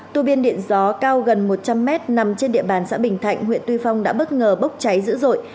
tu biên điện gió cao gần một trăm linh mét nằm trên địa bàn xã bình thạnh huyện tuy phong đã bất ngờ bốc cháy dữ dội